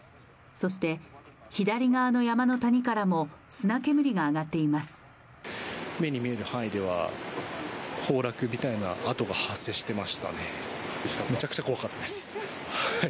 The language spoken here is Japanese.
そして、左側の山の谷からも砂煙が上がっています。